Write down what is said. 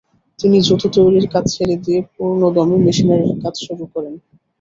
তিনি জুতো তৈরির কাজ ছেড়ে দিয়ে পূর্ণদমে মিশনারির কাজ শুরু করেন।